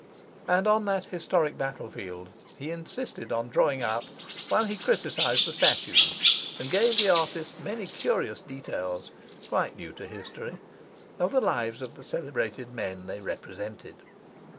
And on that historic battlefield he insisted on drawing up, while he criticized the statues and gave the artist many curious details (quite new to history) of the lives of the celebrated men they represented.